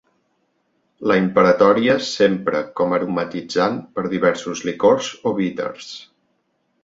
La imperatòria s'empra com aromatitzant per diversos licors o bíters.